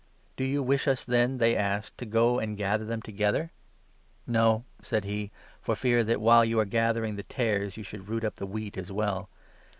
28 ' Do you wish us, then,' they asked, ' to go and gather them together ?' 'No,' said he, 'for fear that, while you are gathering the 29 tares, you should root up the wheat as well.